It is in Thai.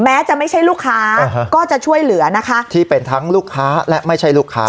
แม้จะไม่ใช่ลูกค้าก็จะช่วยเหลือนะคะที่เป็นทั้งลูกค้าและไม่ใช่ลูกค้า